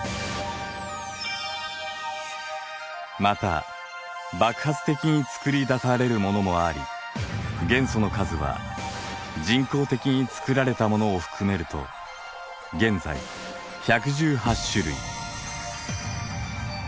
また爆発的に作りだされるものもあり元素の数は人工的に作られたものを含めると現在１１８種類。